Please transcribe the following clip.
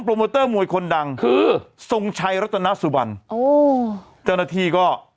โปรโมเตอร์มวยคนดังคือทรงชัยรัตนสุบันโอ้จรณที่ก็